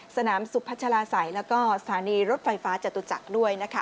สนามสุพัชลาศัยแล้วก็สถานีรถไฟฟ้าจตุจักรด้วยนะคะ